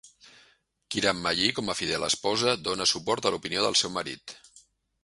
Kiranmayee, com a fidel esposa, dona suport a l'opinió del seu marit.